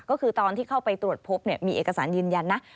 ก็คือตอนที่เข้าไปตรวจพบมีเอกสารยืนยันนะ